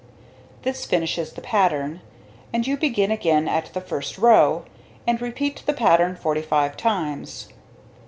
This finishes the pattern; and you begin again at the first row, and repeat the pattern 45 times.